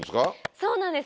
そうなんです。